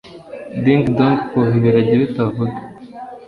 ding dong kuva ibiragi bitavuga